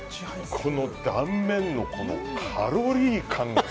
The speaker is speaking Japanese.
この断面のカロリー感が。